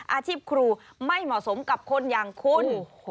อาชีพครูไม่เหมาะสมกับคนอย่างคุณ